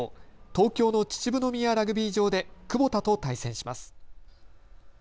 東京の秩父宮ラグビー場でクボタと対戦します。